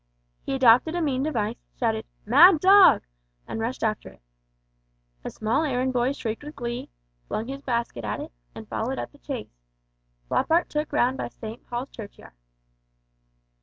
He adopted a mean device, shouted "Mad dog!" and rushed after it. A small errand boy shrieked with glee, flung his basket at it, and followed up the chase. Floppart took round by St. Paul's Churchyard.